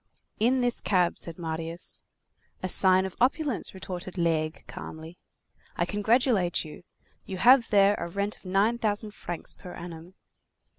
"In this cab," said Marius. "A sign of opulence," retorted Laigle calmly. "I congratulate you. You have there a rent of nine thousand francs per annum."